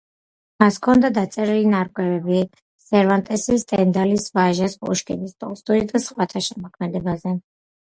მას ჰქონდა დაწერილი ნარკვევები: სერვანტესის, სტენდალის, ვაჟას, პუშკინის, ტოლსტოისა და სხვათა შემოქმედებაზე.